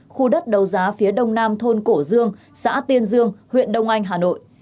khu đất đấu giá phía đông nam thôn cổ dương xã tiên dương huyện đông anh hà nội